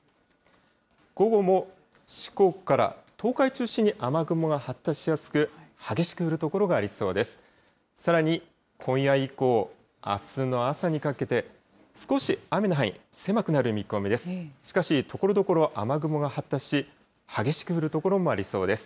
午後も四国から東海中心に雨雲が発達しやすく、激しく降る所がありそうです。